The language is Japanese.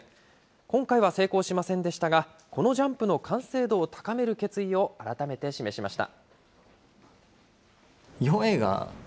今回は成功しませんでしたが、このジャンプの完成度を高める決意を改めて示しました。